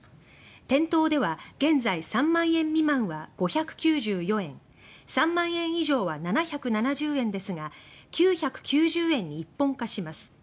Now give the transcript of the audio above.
店頭では現在３万円未満は５９４円３万円以上は７７０円ですが９９０円に一本化します。